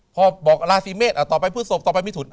พอบอกราศีเมษต่อไปพฤศพต่อไปไม่ถุน